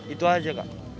itu aja kak